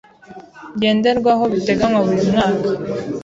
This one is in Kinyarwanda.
ngenderwaho biteganywa buri mwaka.